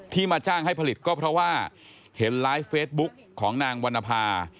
มาจ้างให้ผลิตก็เพราะว่าเห็นไลฟ์เฟซบุ๊กของนางวรรณภา